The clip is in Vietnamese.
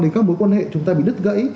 đến các mối quan hệ chúng ta bị đứt gãy